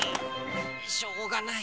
しょうがない。